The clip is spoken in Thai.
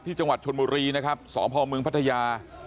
ที่จังหวัดชนมุรีนะครับสองพาวเมืองพัทยา